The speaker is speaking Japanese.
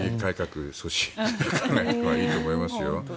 いいと思いますよ。